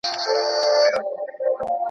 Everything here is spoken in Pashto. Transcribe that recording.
زه مخکي د تکړښت لپاره تللي وو!؟